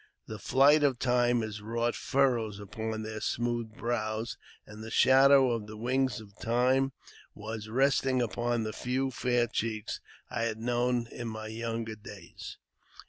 The flight of time had wrought furrows upon their smooth brows, and the shadow of the wings of Time was resting upon the few fair cheeks I had known in my younger days.